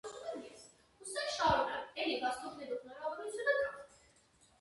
Will is subsequently transferred to the "Hero" track.